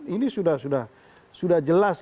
ini sudah jelas